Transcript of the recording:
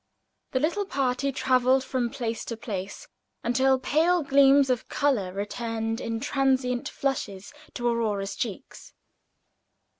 The little party travelled from place to place until pale gleams of color returned in transient flushes to Aurora's cheeks.